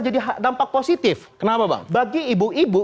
jadi hati dampak positif kenapa bang bagi ibu ibu